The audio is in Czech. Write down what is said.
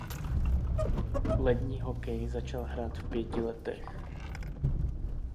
Lední hokej začal hrát v pěti letech.